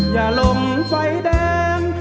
อย่าลมไฟแดง